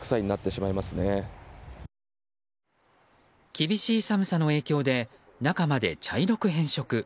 厳しい寒さの影響で中まで茶色く変色。